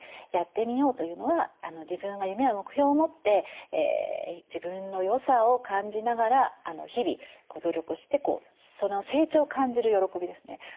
「やってみよう」というのは自分が夢や目標を持って自分の良さを感じながら日々努力して成長を感じる喜びですね。